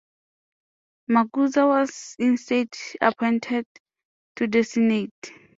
Makuza was instead appointed to the Senate.